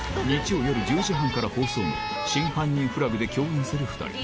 日曜夜１０時半から放送の真犯人フラグで共演する２人。